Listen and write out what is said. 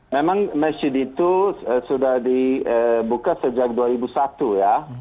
memang masjid itu sudah dibuka sejak dua ribu satu ya